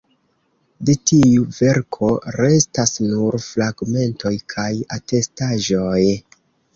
De tiu verko restas nur fragmentoj kaj atestaĵoj.